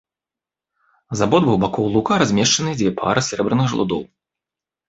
З абодвух бакоў лука размешчаныя дзве пары сярэбраных жалудоў.